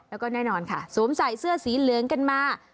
แล้วก็แน่นอนค่ะสวมใส่เสื้อสีเหลืองกันมา